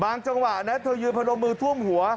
จังหวะนั้นเธอยืนพนมมือท่วมหัว